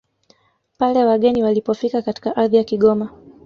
pale wageni walipofika katika ardhi ya Kigoma